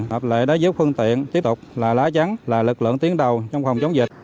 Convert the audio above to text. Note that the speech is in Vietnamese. hợp lệ đá dứt phương tiện tiếp tục là lá trắng là lực lượng tiến đầu trong phòng chống dịch